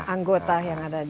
anggota yang ada di